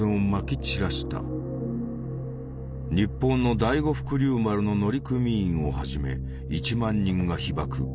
日本の第五福竜丸の乗組員をはじめ１万人が被ばく。